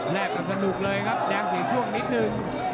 แรกกับสนุกเลยครับแดงเสียช่วงนิดนึง